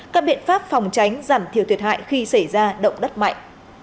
các biện pháp phòng tránh giảm thiểu thiệt hại khi xảy ra động đất mạnh